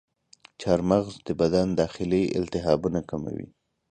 چارمغز د بدن داخلي التهابونه کموي.